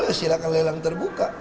ya silakan lelang terbuka